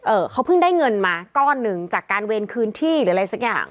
เขาเพิ่งได้เงินมาก้อนหนึ่งจากการเวรคืนที่หรืออะไรสักอย่าง